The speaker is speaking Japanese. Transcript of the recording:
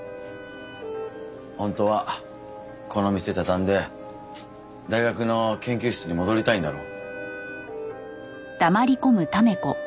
本当はこの店畳んで大学の研究室に戻りたいんだろう。